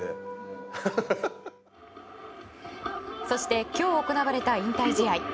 そして今日行われた引退試合。